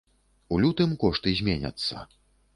У лютым кошты зменяцца.